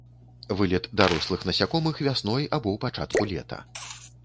Вылет дарослых насякомых вясной або ў пачатку лета.